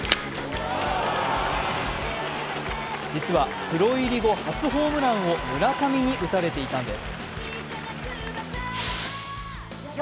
実はプロ入り後初ホームランを村上に打たれていたんです。